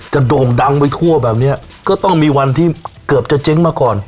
โด่งดังไปทั่วแบบเนี้ยก็ต้องมีวันที่เกือบจะเจ๊งมาก่อน